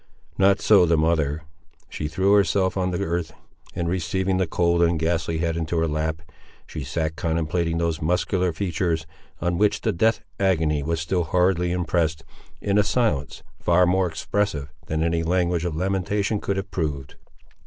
Not so the mother, she threw herself on the earth, and receiving the cold and ghastly head into her lap, she sat contemplating those muscular features, on which the death agony was still horridly impressed, in a silence far more expressive than any language of lamentation could have proved.